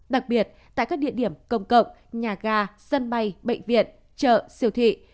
đặc biệt tại các địa điểm công cộng nhà ga sân bay bệnh viện chợ siêu thị